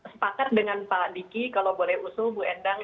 sepakat dengan pak diki kalau boleh usul bu endang